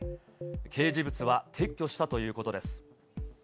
掲示物は撤去したということです。